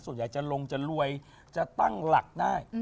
ส่วนใหญ่จะลงจะรวยจะตั้งหลักได้